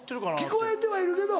聞こえてはいるけど